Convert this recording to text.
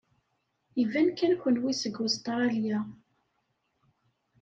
Iban kan kenwi seg Ustṛalya.